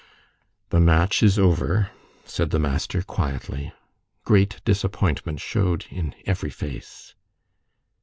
"The match is over," said the master, quietly. Great disappointment showed in every face.